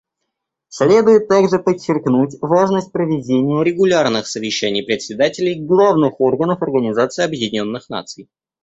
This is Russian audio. Следует также подчеркнуть важность проведения регулярных совещаний председателей главных органов Организации Объединенных Наций.